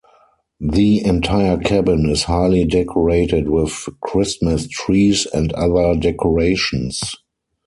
The entire cabin is highly decorated with Christmas trees and other decorations.